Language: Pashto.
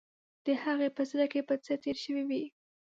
د هغې په زړه کې به څه تیر شوي وي.